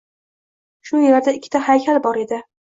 Shu yerda ikkita haykal bor edi: